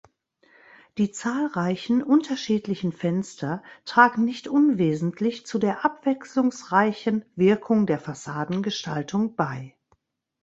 Die zahlreichen unterschiedlichen Fenster tragen nicht unwesentlich zu der abwechslungsreichen Wirkung der Fassadengestaltung bei.